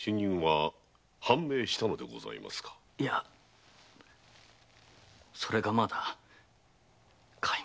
いやそれがまだ皆目。